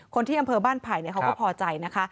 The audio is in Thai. คนที่อำเภอบ้านไผ่เขาก็พอใจนะคะ